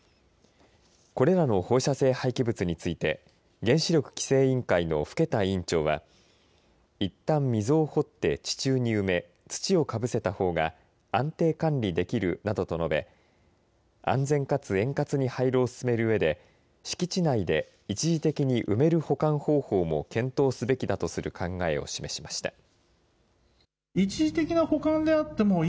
これらの放射性廃棄物について原子力規制委員会の更田委員長はいったん、溝を掘って地中に埋め土をかぶせた方が安定管理できるなどと述べ安全かつ円滑に廃炉を進めるうえで敷地内で一時的に埋める保管方法も検討すべきだとする考え方を示しました。